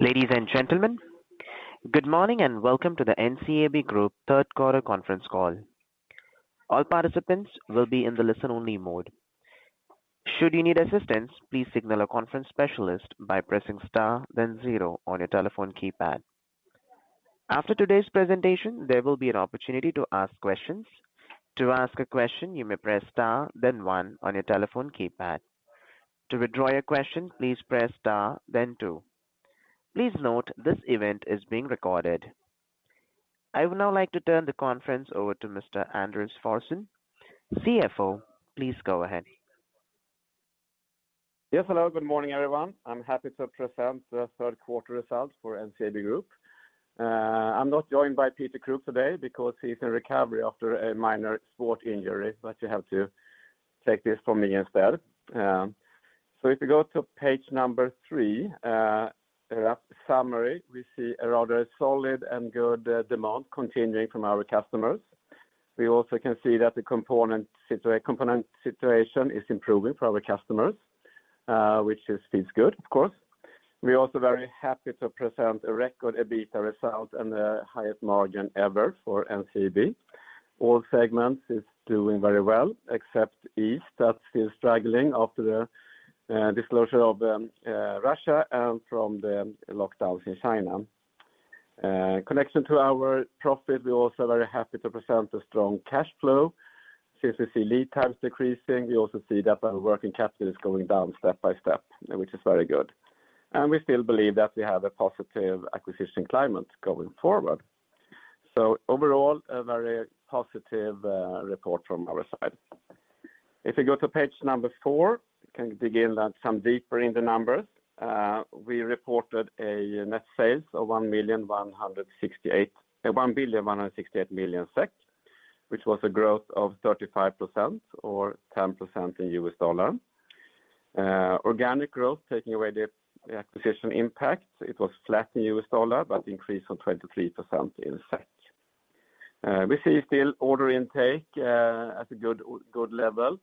Ladies and gentlemen, good morning and welcome to the NCAB Group third quarter conference call. All participants will be in the listen-only mode. Should you need assistance, please signal a conference specialist by pressing star then zero on your telephone keypad. After today's presentation, there will be an opportunity to ask questions. To ask a question, you may press star then one on your telephone keypad. To withdraw your question, please press star then two. Please note this event is being recorded. I would now like to turn the conference over to Mr. Anders Forsén, CFO. Please go ahead. Yes, hello. Good morning, everyone. I'm happy to present the third quarter results for NCAB Group. I'm not joined by Peter Kruk today because he's in recovery after a minor sport injury, but you have to take this from me instead. If you go to page number three, summary, we see a rather solid and good demand continuing from our customers. We also can see that the component situation is improving for our customers, which feels good, of course. We're also very happy to present a record EBITDA result and the highest margin ever for NCAB. All segments is doing very well except East that's still struggling after the disclosure of Russia and from the lockdowns in China. Connection to our profit, we're also very happy to present a strong cash flow since we see lead times decreasing. We also see that our working capital is going down step by step, which is very good. We still believe that we have a positive acquisition climate going forward. Overall, a very positive report from our side. If you go to page number four, you can dig in some deeper in the numbers. We reported a net sales of 1,168,168,000,000 SEK, which was a growth of 35% or 10% in US dollar. Organic growth, taking away the acquisition impact, it was flat in US dollar, but increase on 23% in SEK. We see still order intake at a good level.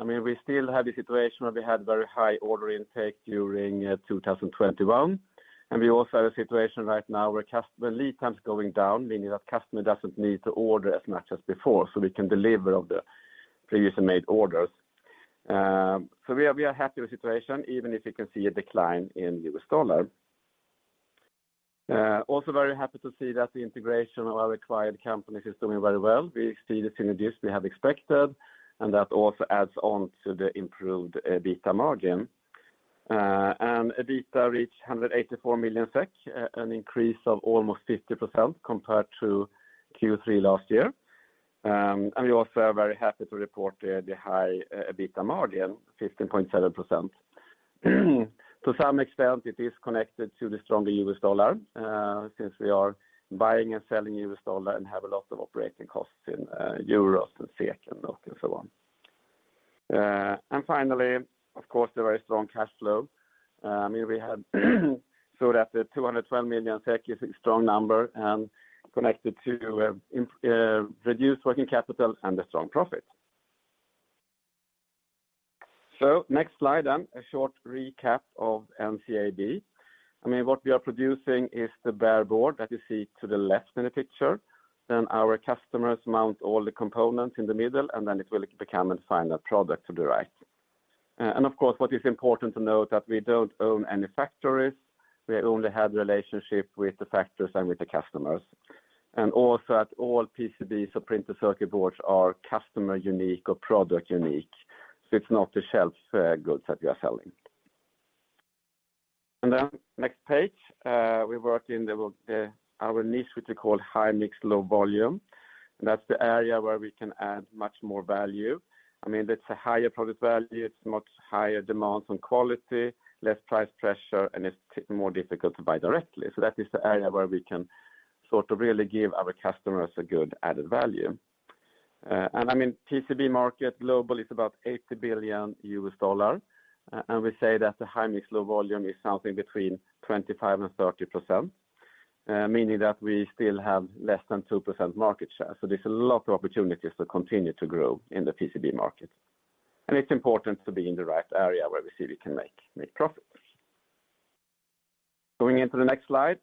We still have the situation where we had very high order intake during 2021. We also have a situation right now where customer lead time is going down, meaning that customer doesn't need to order as much as before, we can deliver of the previously made orders. We are happy with the situation, even if you can see a decline in US dollar. Also very happy to see that the integration of our acquired companies is doing very well. We see the synergies we have expected, and that also adds on to the improved EBITDA margin. EBITDA reached 184 million SEK, an increase of almost 50% compared to Q3 last year. We also are very happy to report the high EBITDA margin, 15.7%. To some extent, it is connected to the stronger US dollar, since we are buying and selling US dollar and have a lot of operating costs in euros and SEK and so on. Finally, of course, the very strong cash flow. The 212,000,000 SEK is a strong number and connected to reduced working capital and a strong profit. Next slide, a short recap of NCAB. What we are producing is the bare board that you see to the left in the picture. Our customers mount all the components in the middle, and then it will become a final product to the right. Of course, what is important to note that we don't own any factories. We only have relationship with the factories and with the customers. All PCBs or printed circuit boards are customer unique or product unique. It's not the shelf goods that we are selling. Next page, we work in our niche, which we call high mix, low volume. That's the area where we can add much more value. That's a higher product value. It's much higher demands on quality, less price pressure, and it's more difficult to buy directly. That is the area where we can sort of really give our customers a good added value. PCB market global is about $80 billion. We say that the high mix, low volume is something between 25%-30%, meaning that we still have less than 2% market share. There's a lot of opportunities to continue to grow in the PCB market. It's important to be in the right area where we see we can make profits. Going into the next slide,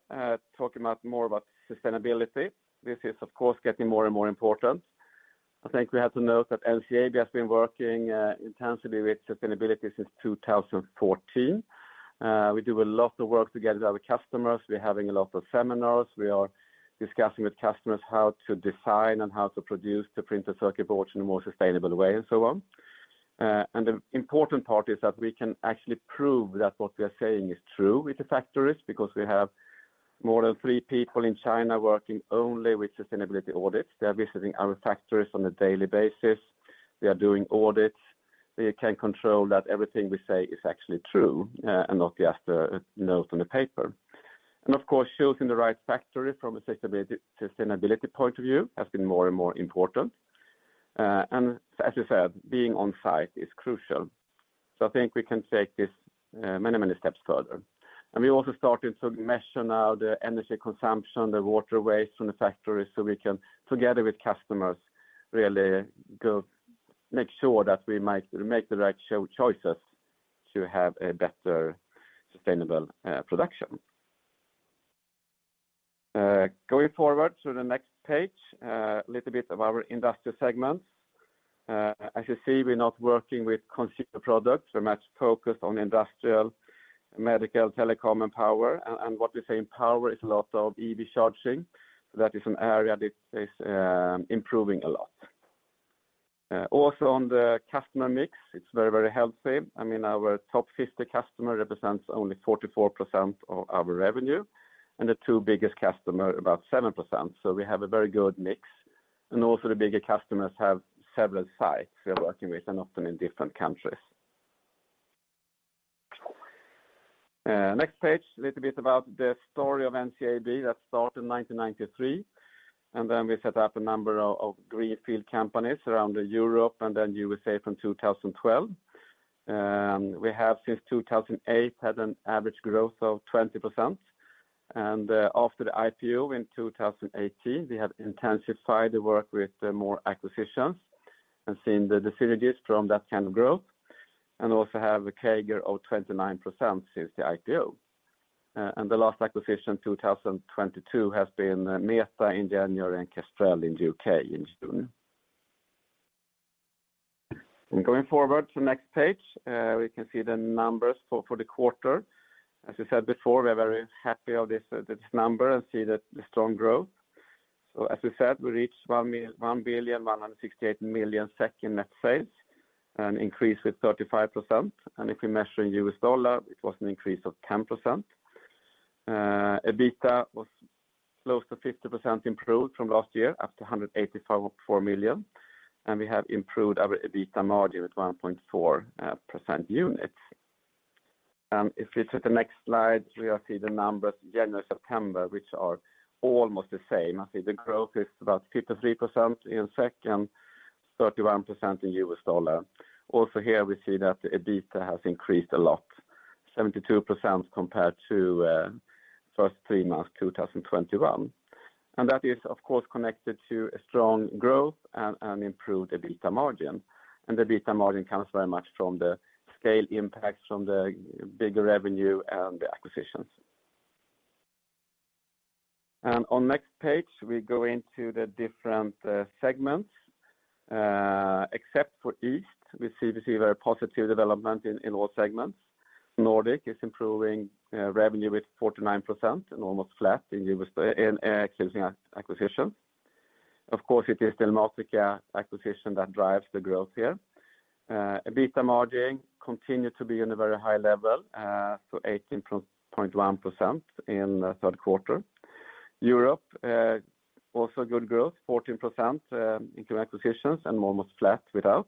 talking more about sustainability. This is, of course, getting more and more important. I think we have to note that NCAB has been working intensively with sustainability since 2014. We do a lot of work together with our customers. We're having a lot of seminars. We are discussing with customers how to design and how to produce the printed circuit boards in a more sustainable way and so on. The important part is that we can actually prove that what we are saying is true with the factories, because we have more than three people in China working only with sustainability audits. They are visiting our factories on a daily basis. They are doing audits. They can control that everything we say is actually true, and not just notes on the paper. Of course, choosing the right factory from a sustainability point of view has been more and more important. As I said, being on site is crucial. I think we can take this many steps further. We also started to measure now the energy consumption, the water waste from the factory, so we can, together with customers, really go Make sure that we make the right choices to have a better sustainable production. Going forward to the next page, a little bit of our industrial segments. As you see, we're not working with consumer products. We're much focused on industrial, medical, telecom, and power. What we say in power is a lot of EV charging. That is an area that is improving a lot. Also on the customer mix, it's very healthy. Our top 50 customers represent only 44% of our revenue, and the two biggest customers about 7%. We have a very good mix. The bigger customers have several sites we are working with and often in different countries. Next page, a little bit about the story of NCAB that started in 1993. Then we set up a number of greenfield companies around Europe and then USA from 2012. We have since 2008 had an average growth of 20%. After the IPO in 2018, we have intensified the work with more acquisitions and seen the synergies from that kind of growth. Also have a CAGR of 29% since the IPO. The last acquisition, 2022, has been Meta, Ingenia, and Kestrel in the U.K. in June. Going forward to next page, we can see the numbers for the quarter. As we said before, we are very happy of this number and see the strong growth. As we said, we reached 1,168,000,000 SEK in net sales, an increase with 35%. If we measure in USD, it was an increase of 10%. EBITDA was close to 50% improved from last year, up to 184 million. We have improved our EBITDA margin with 1.4% units. If we look at the next slide, we see the numbers January to September, which are almost the same. I see the growth is about 53% in SEK and 31% in USD. Also here we see that the EBITDA has increased a lot, 72% compared to first three months 2021. That is of course connected to a strong growth and an improved EBITDA margin. The EBITDA margin comes very much from the scale impacts from the bigger revenue and the acquisitions. On next page, we go into the different segments. Except for East, we see very positive development in all segments. Nordic is improving revenue with 49% and almost flat including acquisition. Of course, it is the Elmatica acquisition that drives the growth here. EBITDA margin continued to be in a very high level for 18.1% in third quarter. Europe also good growth, 14% including acquisitions and almost flat without.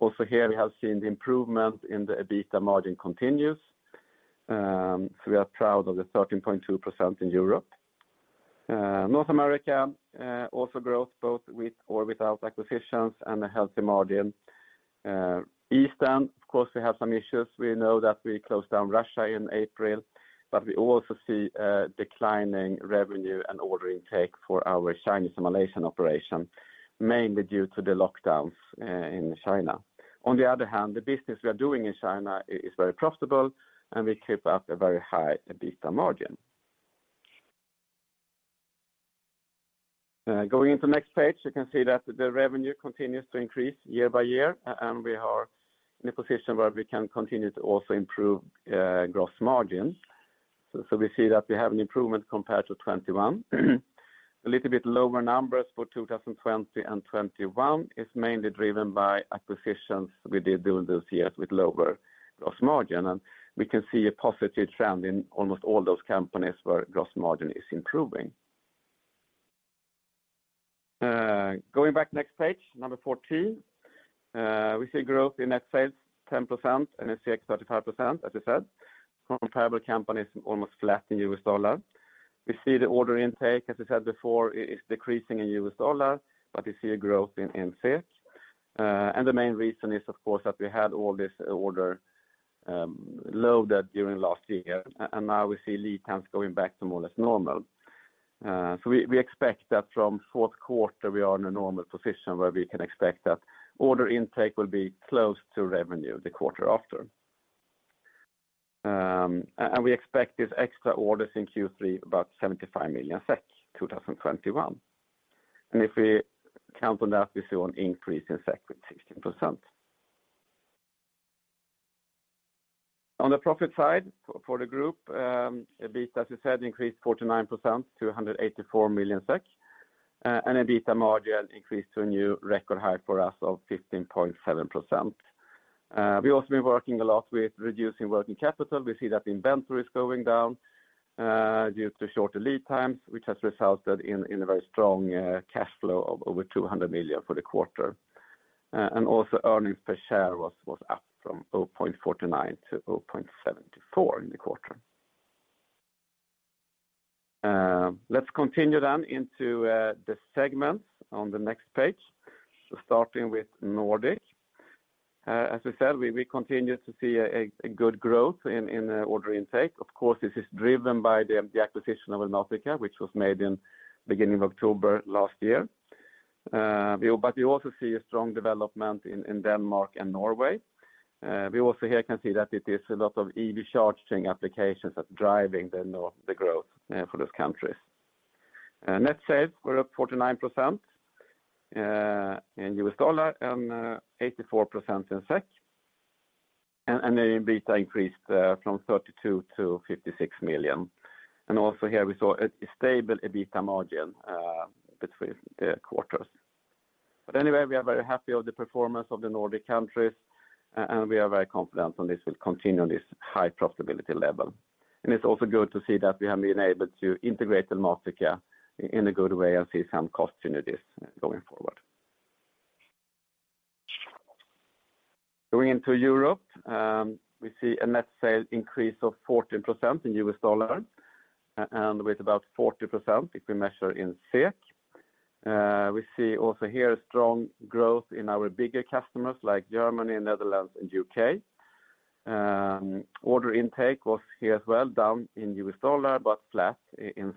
Also here we have seen the improvement in the EBITDA margin continues. We are proud of the 13.2% in Europe. North America also growth both with or without acquisitions and a healthy margin. Eastern, of course, we have some issues. We know that we closed down Russia in April. We also see declining revenue and order intake for our Chinese and Malaysian operation, mainly due to the lockdowns in China. On the other hand, the business we are doing in China is very profitable. We keep up a very high EBITDA margin. Going into next page, you can see that the revenue continues to increase year by year. We are in a position where we can continue to also improve gross margin. We see that we have an improvement compared to 2021. A little bit lower numbers for 2020 and 2021 is mainly driven by acquisitions we did during those years with lower gross margin. We can see a positive trend in almost all those companies where gross margin is improving. Going back next page, number 14. We see growth in net sales 10% in SEK 35%, as we said. Comparable companies almost flat in USD. We see the order intake, as we said before, is decreasing in USD. We see a growth in SEK. The main reason is of course that we had all this order loaded during last year. Now we see lead times going back to more or less normal. We expect that from fourth quarter, we are in a normal position where we can expect that order intake will be close to revenue the quarter after. We expect these extra orders in Q3 about 75 million SEK 2021. If we count on that, we see an increase in SEK with 16%. On the profit side for the group, EBITDA, as we said, increased 49% to 184 million SEK, and EBITDA margin increased to a new record high for us of 15.7%. We've also been working a lot with reducing working capital. We see that inventory is going down due to shorter lead times, which has resulted in a very strong cash flow of over 200 million for the quarter. Also earnings per share was up from 0.49 to 0.74 in the quarter. Let's continue then into the segments on the next page. Starting with Nordic. As we said, we continue to see a good growth in order intake. Of course, this is driven by the acquisition of Elmatica, which was made in beginning of October last year. We also see a strong development in Denmark and Norway. We also here can see that it is a lot of EV charging applications that's driving the growth for those countries. Net sales were up 49% in U.S. dollar and 84% in SEK, and the EBITDA increased from 32 million to 56 million. Also here we saw a stable EBITDA margin between quarters. Anyway, we are very happy of the performance of the Nordic countries, and we are very confident on this will continue this high profitability level. It's also good to see that we have been able to integrate Elmatica in a good way and see some cost synergies going forward. Going into Europe, we see a net sales increase of 14% in U.S. dollar and with about 40% if we measure in SEK. We see also here a strong growth in our bigger customers like Germany, Netherlands, and U.K. Order intake was here as well, down in U.S. dollar, but flat in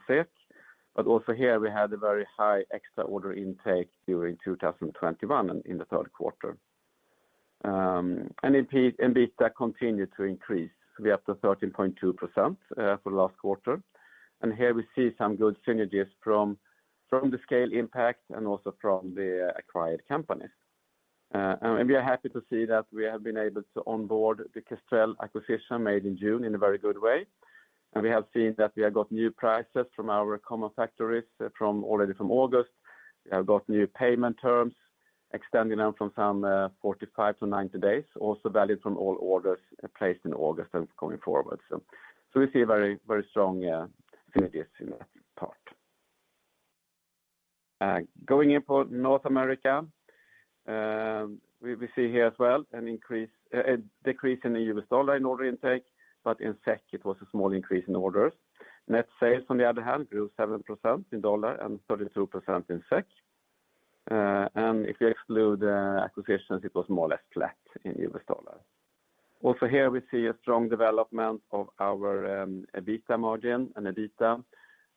SEK. Also here we had a very high extra order intake during 2021 in the third quarter. EBITDA continued to increase. We're up to 13.2% for last quarter. Here we see some good synergies from the scale impact and also from the acquired companies. We are happy to see that we have been able to onboard the Kestrel acquisition made in June in a very good way. We have seen that we have got new prices from our common factories already from August. We have got new payment terms extending them from some 45-90 days, also valid from all orders placed in August and going forward. We see very strong synergies in that part. Going into North America, we see here as well a decrease in the U.S. dollar in order intake, but in SEK, it was a small increase in orders. Net sales, on the other hand, grew 7% in U.S. dollar and 32% in SEK. If you exclude acquisitions, it was more or less flat in U.S. dollar. Here we see a strong development of our EBITDA margin and EBITDA,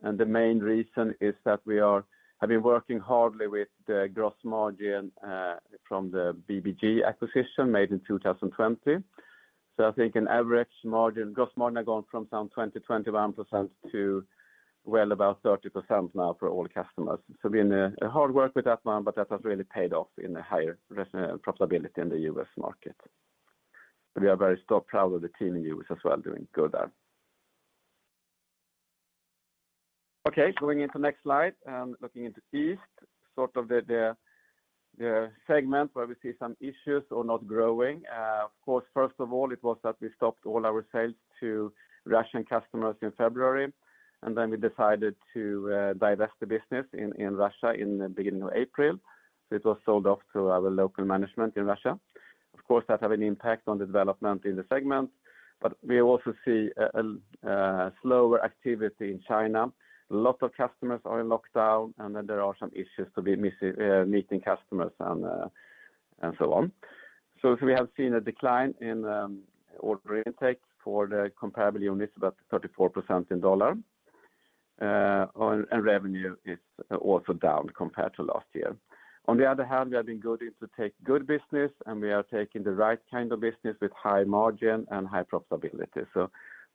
and the main reason is that we have been working hardly with the gross margin from the BBG acquisition made in 2020. I think in average margin, gross margin have gone from some 20%-21% to, well, about 30% now for all customers. Been a hard work with that one, but that has really paid off in the higher profitability in the U.S. market. We are very proud of the team in U.S. as well doing good there. Going into next slide. Looking into East, sort of the segment where we see some issues or not growing. First of all, it was that we stopped all our sales to Russian customers in February, and then we decided to divest the business in Russia in the beginning of April. It was sold off to our local management in Russia. That have an impact on the development in the segment, but we also see a slower activity in China. A lot of customers are in lockdown, there are some issues to be meeting customers and so on. We have seen a decline in order intake for the comparable units, about 34% in USD, and revenue is also down compared to last year. On the other hand, we have been going to take good business, and we are taking the right kind of business with high margin and high profitability.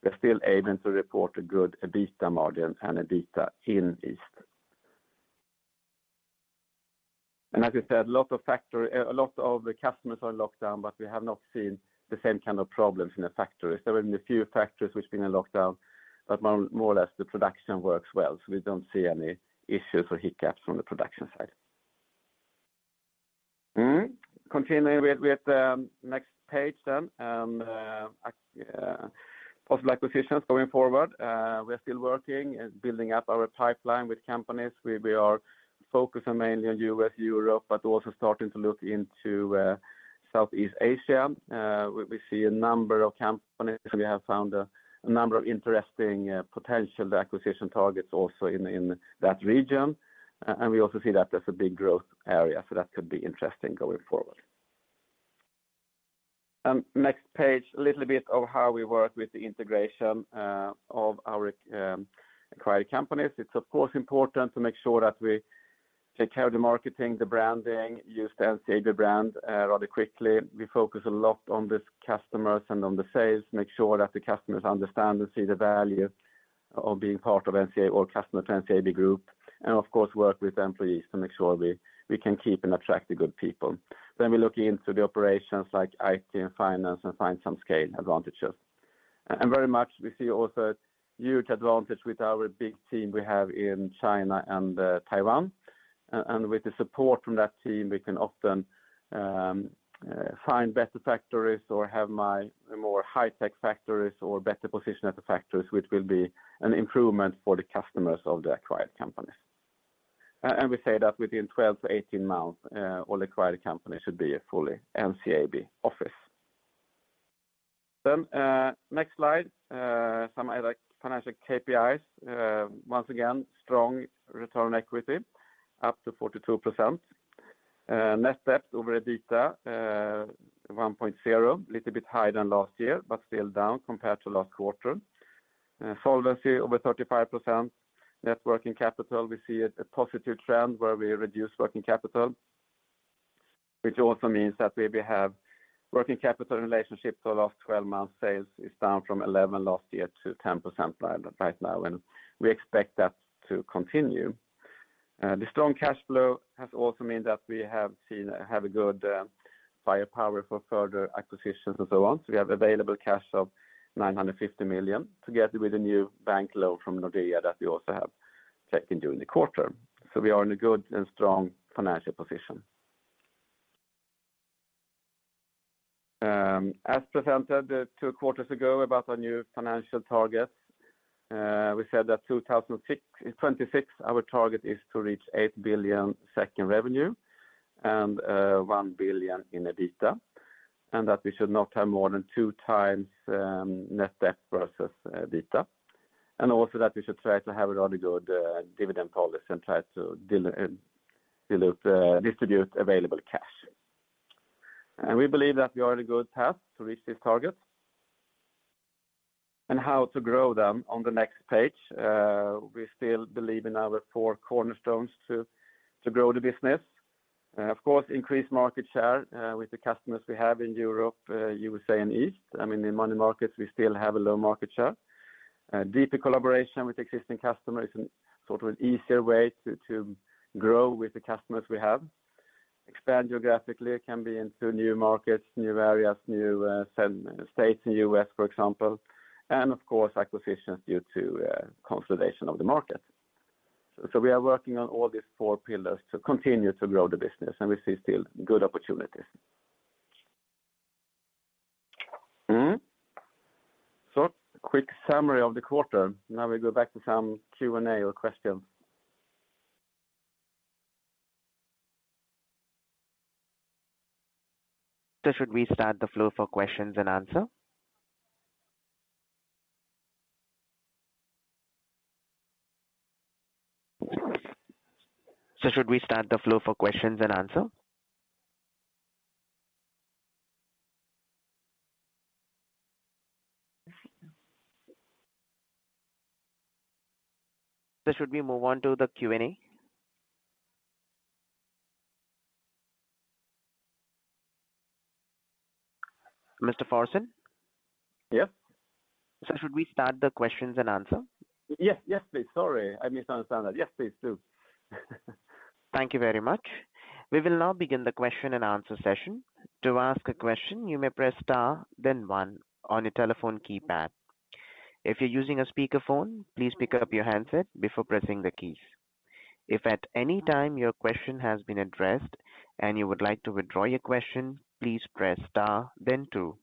We're still aiming to report a good EBITDA margin and EBITDA in East. Like I said, a lot of the customers are in lockdown, but we have not seen the same kind of problems in the factories. There have been a few factories which have been in lockdown, but more or less the production works well, we don't see any issues or hiccups from the production side. Continuing with the next page, possible acquisitions going forward. We are still working and building up our pipeline with companies. We are focusing mainly on U.S., Europe, but also starting to look into Southeast Asia. We see a number of companies, and we have found a number of interesting potential acquisition targets also in that region. We also see that as a big growth area, that could be interesting going forward. Next page, a little bit of how we work with the integration of our acquired companies. It's of course, important to make sure that we take care of the marketing, the branding, use the NCAB brand rather quickly. We focus a lot on these customers and on the sales, make sure that the customers understand and see the value of being part of NCAB or customer of NCAB Group, and of course, work with the employees to make sure we can keep and attract the good people. We look into the operations like IT and finance and find some scale advantages. Very much, we see also huge advantage with our big team we have in China and Taiwan. With the support from that team, we can often find better factories or have more high-tech factories or better position at the factories, which will be an improvement for the customers of the acquired companies. We say that within 12-18 months, all acquired companies should be a fully NCAB office. Next slide, some other financial KPIs. Once again, strong return on equity, up to 42%. Net debt over EBITDA, 1.0. Little bit higher than last year, but still down compared to last quarter. Solvency over 35%. Net working capital, we see a positive trend where we reduce working capital, which also means that we will have working capital relationship to our last 12 months sales is down from 11 last year to 10% right now, and we expect that to continue. The strong cash flow has also meant that we have a good firepower for further acquisitions and so on. We have available cash of 950 million together with a new bank loan from Nordea that we also have taken during the quarter. We are in a good and strong financial position. As presented 2 quarters ago about our new financial targets, we said that 2026, our target is to reach 8 billion in revenue and 1 billion in EBITDA, and that we should not have more than 2 times net debt versus EBITDA, and also that we should try to have a rather good dividend policy and try to distribute available cash. We believe that we are on a good path to reach these targets. How to grow them on the next page. We still believe in our 4 cornerstones to grow the business. Of course, increase market share with the customers we have in Europe, U.S.A., and East. I mean, in money markets, we still have a low market share. Deeper collaboration with existing customers is sort of an easier way to grow with the customers we have. Expand geographically can be into new markets, new areas, new states in U.S., for example. Of course, acquisitions due to consolidation of the market. We are working on all these 4 pillars to continue to grow the business, and we see still good opportunities. Quick summary of the quarter. Now we go back to some Q&A or questions. Should we start the flow for questions and answer? Should we move on to the Q&A? Mr. Forsén? Yeah. Should we start the questions and answer? Yes, please. Sorry, I misunderstood that. Yes, please do. Thank you very much. We will now begin the question and answer session. To ask a question, you may press star then one on your telephone keypad. If you're using a speakerphone, please pick up your handset before pressing the keys. If at any time your question has been addressed and you would like to withdraw your question, please press star then two.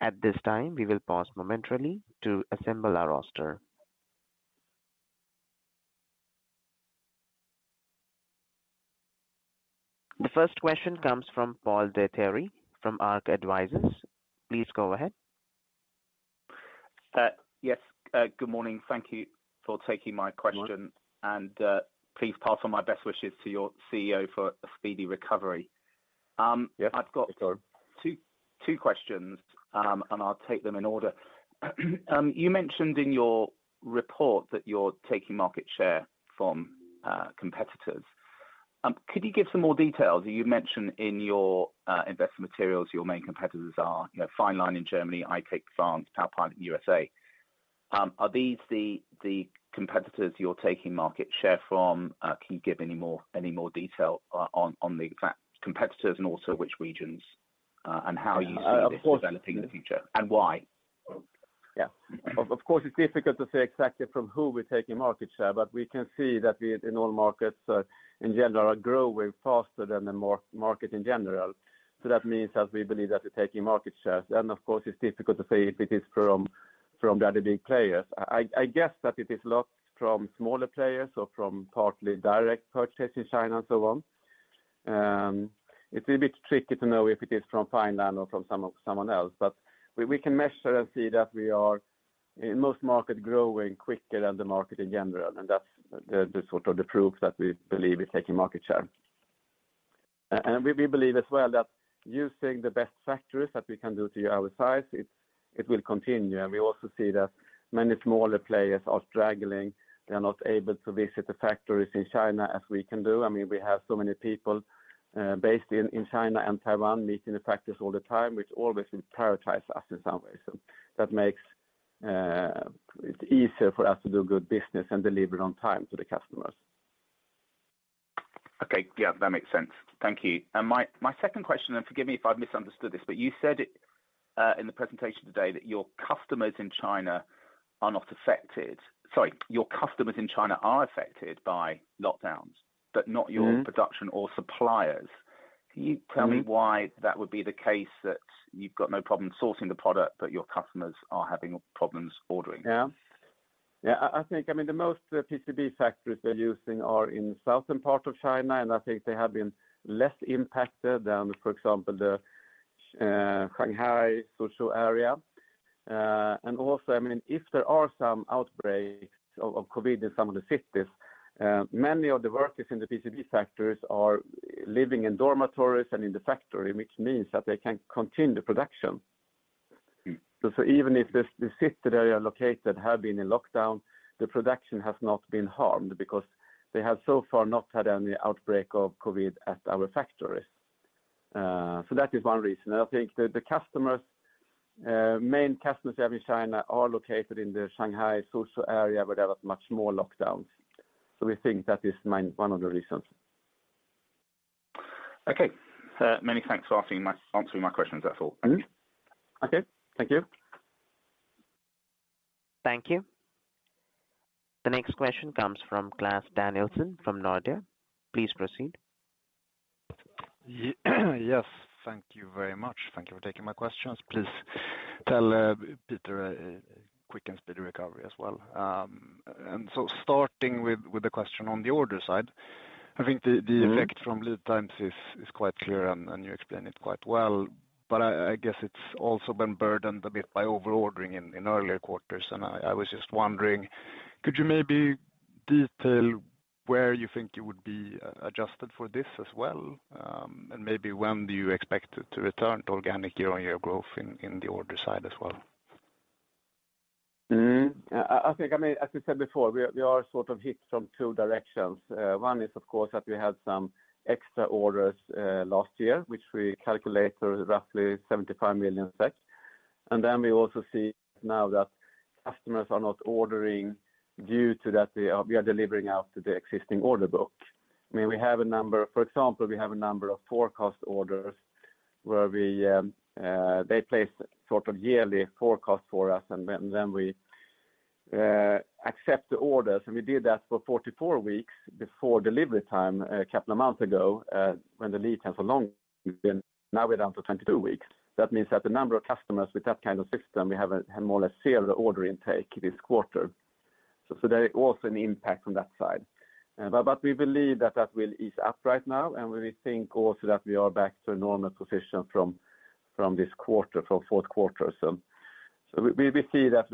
At this time, we will pause momentarily to assemble our roster. The first question comes from Paul De Thiry from Ark Advisors. Please go ahead. Yes. Good morning. Thank you for taking my question. Good morning. Please pass on my best wishes to your CEO for a speedy recovery. Yeah. Sorry. I've got two questions, and I'll take them in order. You mentioned in your report that you're taking market share from competitors. Could you give some more details? You mentioned in your investment materials your main competitors are Fineline in Germany, IC France, Taipan in USA. Are these the competitors you're taking market share from? Can you give any more detail on the exact competitors and also which regions, and how you see this developing in the future, and why? Of course, it's difficult to say exactly from who we're taking market share, but we can see that in all markets in general are growing faster than the market in general. That means that we believe that we're taking market shares. Of course, it's difficult to say if it is from the other big players. I guess that it is a lot from smaller players or from partly direct purchase in China and so on. It's a bit tricky to know if it is from Fineline or from someone else. We can measure and see that we are, in most market, growing quicker than the market in general, and that's the sort of the proof that we believe we're taking market share. We believe as well that using the best factories that we can do to our size, it will continue. We also see that many smaller players are straggling. They are not able to visit the factories in China as we can do. I mean, we have so many people based in China and Taiwan meeting the factories all the time, which always prioritize us in some way. That makes it easier for us to do good business and deliver on time to the customers. That makes sense. Thank you. My second question, and forgive me if I've misunderstood this, but you said it in the presentation today that Sorry, your customers in China are affected by lockdowns, but not your production or suppliers. Can you tell me why that would be the case that you've got no problem sourcing the product, but your customers are having problems ordering? Yeah. Yeah. I think the most PCB factories we are using are in the southern part of China, and I think they have been less impacted than, for example, the Shanghai, Suzhou area. Also, if there are some outbreaks of COVID in some of the cities, many of the workers in the PCB factories are living in dormitories and in the factory, which means that they can continue production. Even if the city they are located have been in lockdown, the production has not been harmed because they have so far not had any outbreak of COVID at our factories. That is one reason. I think the main customers we have in China are located in the Shanghai, Suzhou area, where there was much more lockdowns. We think that is one of the reasons. Okay. Many thanks for answering my questions. That's all. Thank you. Okay. Thank you. Thank you. The next question comes from Klas Danielsson from Nordea. Please proceed. Yes. Thank you very much. Thank you for taking my questions. Please tell Peter a quick and speedy recovery as well. Starting with the question on the order side, I think the effect from lead times is quite clear, and you explain it quite well. I guess it's also been burdened a bit by over-ordering in earlier quarters, I was just wondering, could you maybe detail where you think you would be adjusted for this as well? Maybe when do you expect it to return to organic year-on-year growth in the order side as well? As we said before, we are sort of hit from two directions. One is, of course, that we had some extra orders last year, which we calculate are roughly 75 million. We also see now that customers are not ordering due to that we are delivering out the existing order book. For example, we have a number of forecast orders where they place sort of yearly forecast for us, we accept the orders, we did that for 44 weeks before delivery time a couple of months ago, when the lead times were long. Now we're down to 22 weeks. That means that the number of customers with that kind of system, we have a more or less zero order intake this quarter. There is also an impact on that side. We believe that that will ease up right now, we think also that we are back to a normal position from this quarter, from fourth quarter. We see that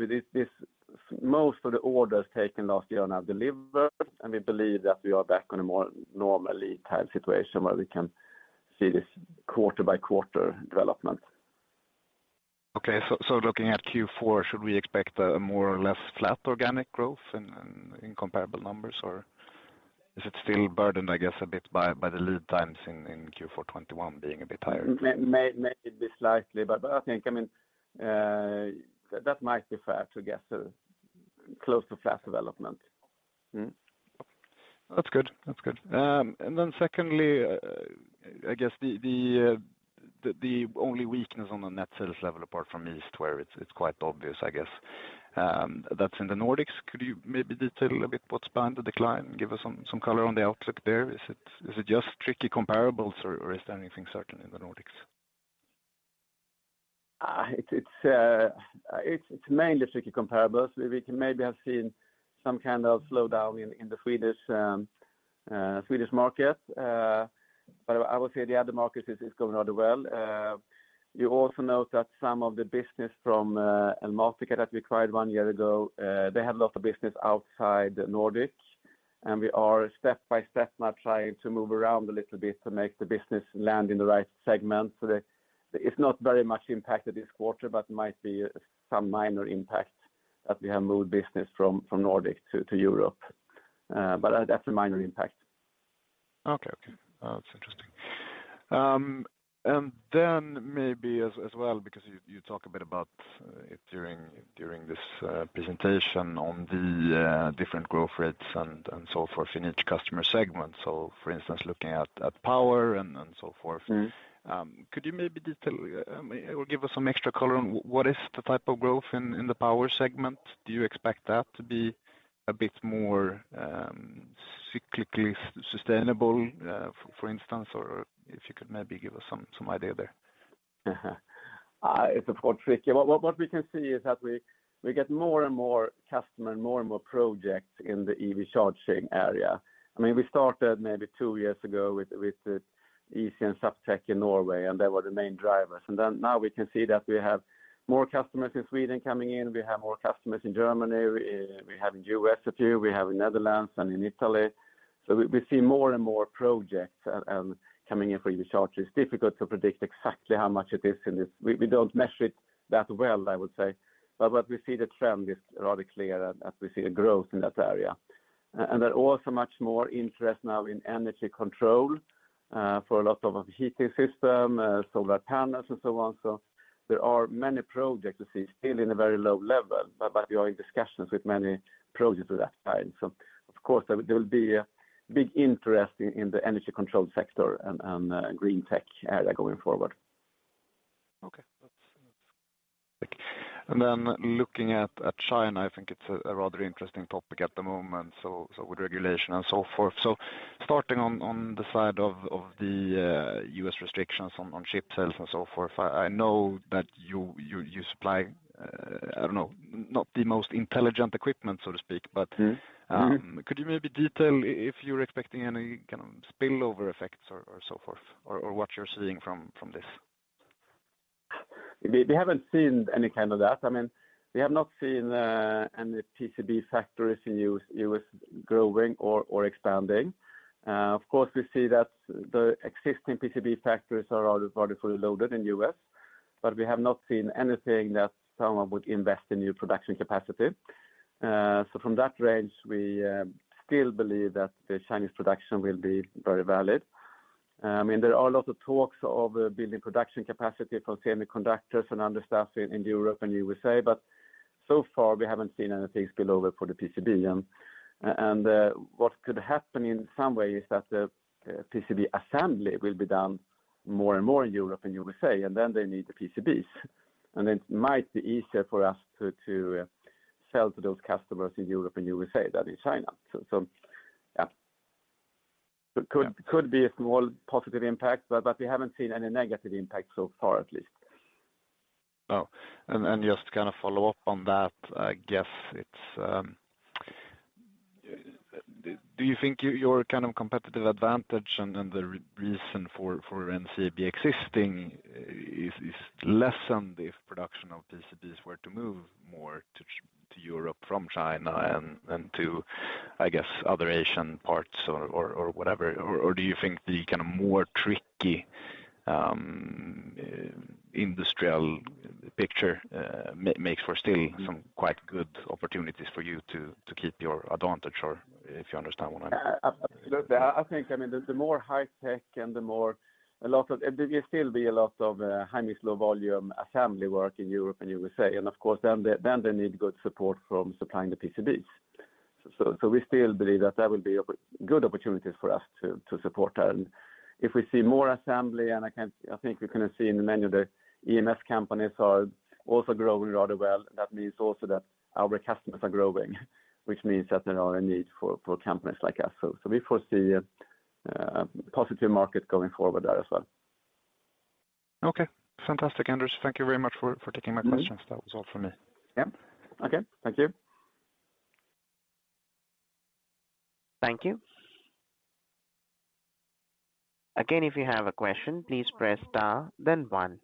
most of the orders taken last year are now delivered, we believe that we are back on a more normal lead time situation where we can see this quarter-by-quarter development. Looking at Q4, should we expect a more or less flat organic growth in comparable numbers, or is it still burdened, I guess a bit by the lead times in Q4 2021 being a bit higher? Maybe slightly, but I think that might be fair to guess close to flat development. Mm-hmm. That's good. Secondly, I guess the only weakness on the net sales level apart from Easee, where it's quite obvious, I guess, that's in the Nordics. Could you maybe detail a bit what's behind the decline? Give us some color on the outlook there. Is it just tricky comparables, or is there anything certain in the Nordics? It's mainly tricky comparables. We can maybe have seen some kind of slowdown in the Swedish market. I would say the other markets is going rather well. You also note that some of the business from Elmatica that we acquired one year ago, they have a lot of business outside the Nordics, and we are step-by-step now trying to move around a little bit to make the business land in the right segment. It's not very much impacted this quarter, but might be some minor impact that we have moved business from Nordic to Europe. That's a minor impact. That's interesting. Maybe as well, because you talk a bit about it during this presentation on the different growth rates and so forth in each customer segment. For instance, looking at power and so forth. Could you maybe detail or give us some extra color on what is the type of growth in the power segment? Do you expect that to be a bit more cyclically sustainable, for instance? If you could maybe give us some idea there. It's a bit tricky. What we can see is that we get more and more customers, more and more projects in the EV charging area. We started maybe two years ago with Easee and Zaptec in Norway, and they were the main drivers. Now we can see that we have more customers in Sweden coming in. We have more customers in Germany. We have in U.S. a few, we have in Netherlands and in Italy. We see more and more projects coming in for EV chargers. It's difficult to predict exactly how much it is in this. We don't measure it that well, I would say, but what we see the trend is rather clear that we see a growth in that area. There are also much more interest now in energy control for a lot of heating system, solar panels and so on. There are many projects we see still in a very low level, but we are in discussions with many projects with that side. Of course, there will be a big interest in the energy control sector and green tech area going forward. Looking at China, I think it's a rather interesting topic at the moment, with regulation and so forth. Starting on the side of the U.S. restrictions on chip sales and so forth, I know that you supply, I don't know, not the most intelligent equipment, so to speak, but could you maybe detail if you're expecting any kind of spillover effects or so forth, or what you're seeing from this? We haven't seen any kind of that. We have not seen any PCB factories in U.S. growing or expanding. Of course, we see that the existing PCB factories are already fully loaded in U.S., but we have not seen anything that someone would invest in new production capacity. From that range, we still believe that the Chinese production will be very valid. There are a lot of talks of building production capacity for semiconductors and other stuff in Europe and U.S.A., but so far we haven't seen anything spill over for the PCB. What could happen in some way is that the PCB assembly will be done more and more in Europe and U.S.A., and then they need the PCBs, and it might be easier for us to sell to those customers in Europe and U.S.A. than in China. Yeah. Could be a small positive impact, but we haven't seen any negative impact so far, at least. Just to follow up on that, do you think your kind of competitive advantage and the reason for NCAB existing is lessened if production of PCBs were to move more to Europe from China and to, I guess, other Asian parts or whatever? Do you think the more tricky industrial picture makes for still some quite good opportunities for you to keep your advantage, or if you understand what I mean? Absolutely. I think, the more high tech there'll still be a lot of high-mix, low volume assembly work in Europe and U.S.A., and of course, then they need good support from supplying the PCBs. We still believe that that will be good opportunities for us to support that. If we see more assembly, and I think we kind of see in many of the EMS companies are also growing rather well, that means also that our customers are growing, which means that there are a need for companies like us. We foresee a positive market going forward there as well. Okay. Fantastic, Anders. Thank you very much for taking my questions. That was all from me. Yeah. Okay. Thank you. Thank you. Again, if you have a question, please press star then one.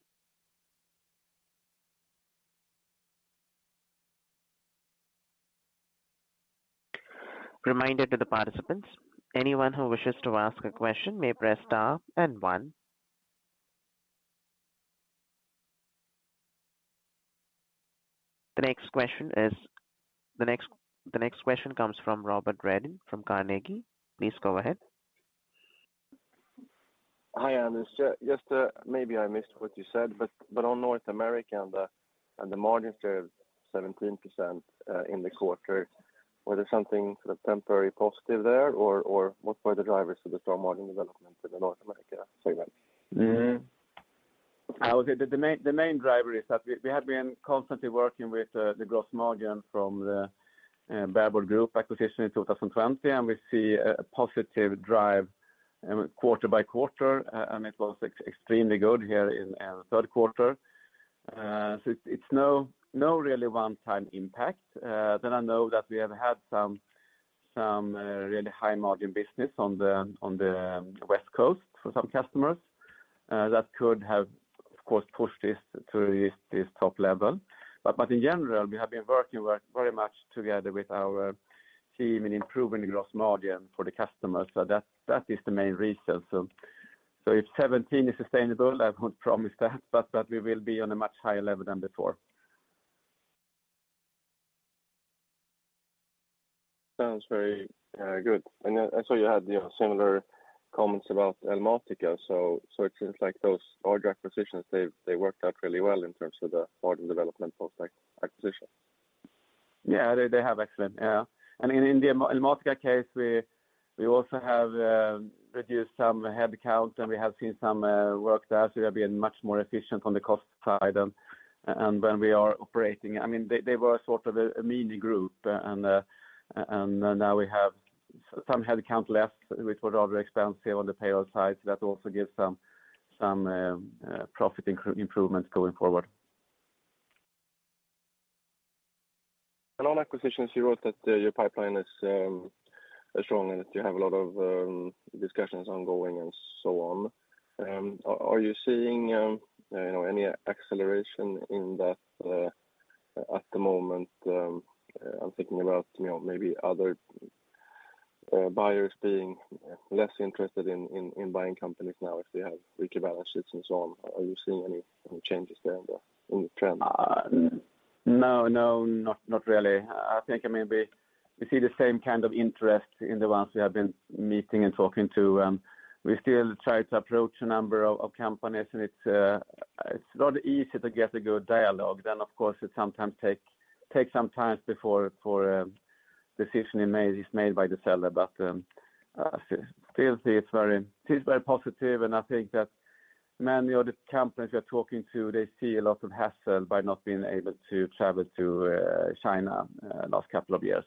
Reminder to the participants, anyone who wishes to ask a question may press star and one. The next question comes from Robert Reden from Carnegie. Please go ahead. Hi, Anders. Maybe I missed what you said, but on North America and the margin of 17% in the quarter, was there something sort of temporary positive there, or what were the drivers to the strong margin development for the North America segment? I would say the main driver is that we have been constantly working with the gross margin from the Bare Board Group acquisition in 2020, and we see a positive drive quarter by quarter, and it was extremely good here in the third quarter. It's no really one-time impact. I know that we have had some really high margin business on the West Coast for some customers. That could have, of course, pushed this to this top level. In general, we have been working very much together with our team in improving gross margin for the customers. That is the main reason. If 17 is sustainable, I would promise that, but we will be on a much higher level than before. Sounds very good. I saw you had similar comments about Elmatica, it seems like those large acquisitions, they worked out really well in terms of the margin development post-acquisition. Yeah, they have. Excellent. Yeah. In the Elmatica case, we also have reduced some headcount, and we have seen some work there. We have been much more efficient on the cost side and when we are operating. They were sort of a mini group, and now we have some headcount less, which was rather expensive on the payroll side. That also gives some profit improvements going forward. On acquisitions, you wrote that your pipeline is strong and that you have a lot of discussions ongoing and so on. Are you seeing any acceleration in that at the moment? I'm thinking about maybe other buyers being less interested in buying companies now if they have weaker balances and so on. Are you seeing any changes there in the trend? No, not really. I think maybe we see the same kind of interest in the ones we have been meeting and talking to. We still try to approach a number of companies, and it's not easy to get a good dialogue. Of course, it take some time before a decision is made by the seller. Still see it's very positive, and I think that many of the companies we are talking to, they see a lot of hassle by not being able to travel to China last couple of years.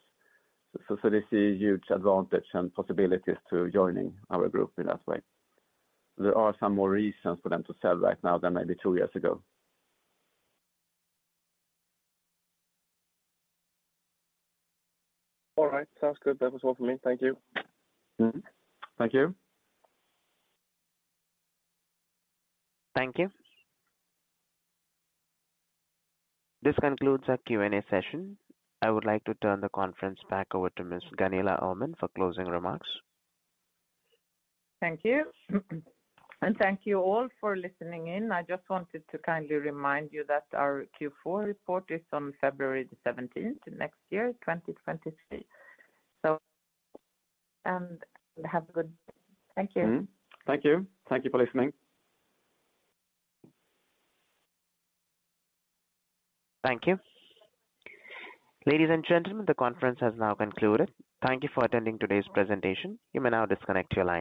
They see huge advantage and possibilities to joining our group in that way. There are some more reasons for them to sell right now than maybe two years ago. All right. Sounds good. That was all for me. Thank you. Thank you. Thank you. This concludes our Q&A session. I would like to turn the conference back over to Ms. Gunilla Öhman for closing remarks. Thank you all for listening in. I just wanted to kindly remind you that our Q4 report is on February the 17th next year, 2023. Have a good Thank you. Thank you. Thank you for listening. Thank you. Ladies and gentlemen, the conference has now concluded. Thank you for attending today's presentation. You may now disconnect your lines.